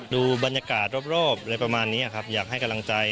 ดูบรรยากาศรอบอะไรประมาณนี้ครับอยากให้กำลังใจ